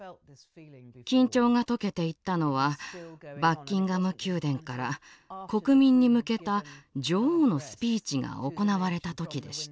緊張が解けていったのはバッキンガム宮殿から国民に向けた女王のスピーチが行われた時でした。